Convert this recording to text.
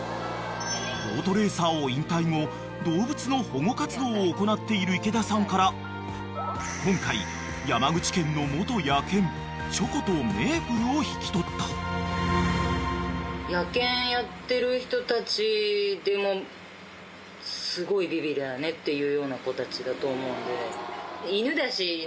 ［ボートレーサーを引退後動物の保護活動を行っている池田さんから今回山口県の元野犬チョコとメープルを引き取った］っていうような子たちだと思うんで。